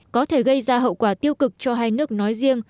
có thể gây ra hậu quả tiêu cực cho hai nước nói riêng